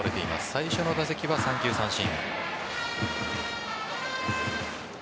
最初の打席は３球三振。